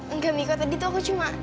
enggak miko tadi tuh aku cuma